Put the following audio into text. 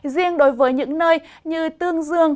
riêng đối với những nơi như tương dương